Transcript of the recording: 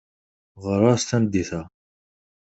Ɣer-as tameddit-a.